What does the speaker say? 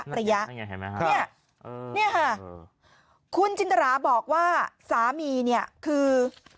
นี่ค่ะคุณจินตราบอกว่าสามีนี่คือ